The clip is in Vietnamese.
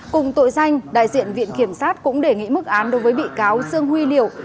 cùng tội danh đại diện viện kiểm sát cũng đề nghị mức án đối với bị cáo sương huy liều